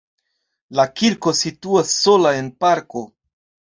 La kirko situas sola en parko.